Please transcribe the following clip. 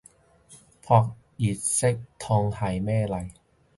撲熱息痛係咩嚟